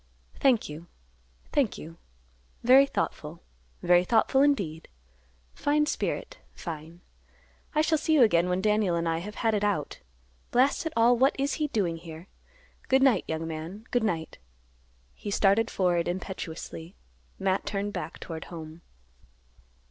"Thank you; thank you; very thoughtful; very thoughtful, indeed; fine spirit, fine. I shall see you again when Daniel and I have had it out. Blast it all; what is he doing here? Good night, young man; good night." He started forward impetuously. Matt turned back toward home.